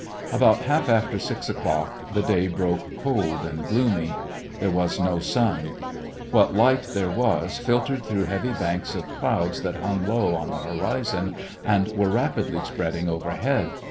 About half after six o'clock the day broke cold and gloomy. There was no sun. What light there was filtered through heavy banks of clouds that hung low on the horizon and were rapidly spreading overhead.